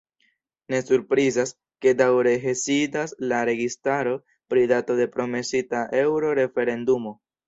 Ne surprizas, ke daŭre hezitas la registaro pri dato de promesita eŭro-referendumo.